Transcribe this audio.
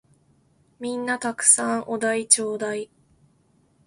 皆んな沢山お題ちょーだい！